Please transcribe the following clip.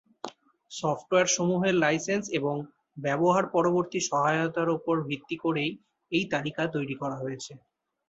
Software সমূহের licence এবং ব্যবহার পরবর্তী সহায়তার উপর ভিত্তি করেই এই তালিকা তৈরি করা হয়েছে।